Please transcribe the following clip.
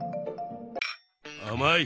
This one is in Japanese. あまい。